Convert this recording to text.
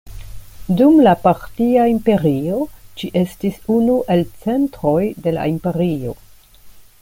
Dum la Partia Imperio ĝi estis unu el centroj de la imperio.